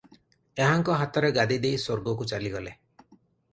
ଏହାଙ୍କ ହାତରେ ଗାଦି ଦେଇ ସ୍ୱର୍ଗକୁ ଚାଲିଗଲେ ।